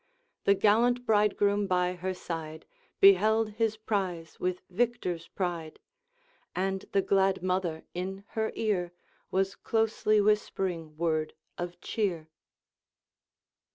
The gallant bridegroom by her side Beheld his prize with victor's pride. And the glad mother in her ear Was closely whispering word of cheer. XXI.